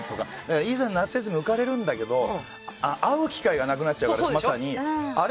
夏休み、浮かれるんだけど会う機会がなくなっちゃうからあれ？